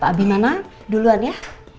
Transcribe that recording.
pak abihmana duluan ya